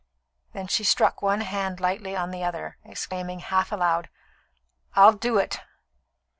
Then she struck one hand lightly upon the other, exclaiming half aloud: "I'll do it!"